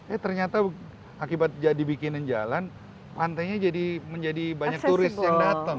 eh ternyata akibat jadi bikinan jalan pantainya jadi menjadi banyak turis yang datang